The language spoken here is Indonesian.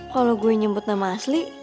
kalau gue nyebut nama asli